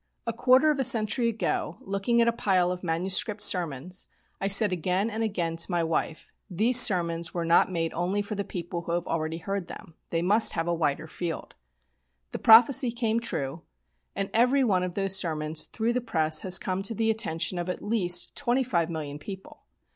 "A quarter of a century ago, looking at a pile of manuscript sermons, I said again and again to my wife: 'Those sermons were not made only for the people who have already heard them. They must have a wider field.' The prophecy came true, and every one of those sermons through the press has come to the attention of at least twenty five million people.